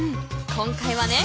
今回はね